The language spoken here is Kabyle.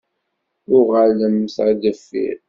Uɣalemt ar deffir.